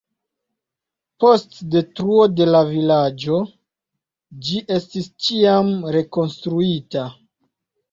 Post detruo de la vilaĝo, ĝi estis ĉiam rekonstruita.